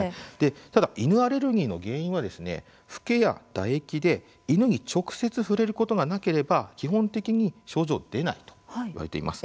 ただ犬アレルギーの原因はフケや唾液で犬に直接触れることがなければ基本的に症状は出ないといわれています。